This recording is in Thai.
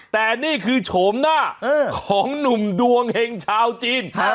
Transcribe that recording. แต่นี่คือโฉมหน้าของหนุ่มดวงเห็งชาวจีน